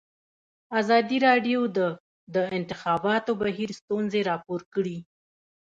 ازادي راډیو د د انتخاباتو بهیر ستونزې راپور کړي.